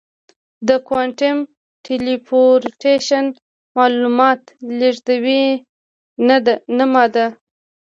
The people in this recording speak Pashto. د کوانټم ټیلیپورټیشن معلومات لېږدوي نه ماده.